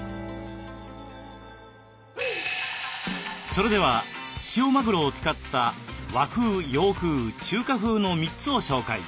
それでは塩マグロを使った和風洋風中華風の３つを紹介。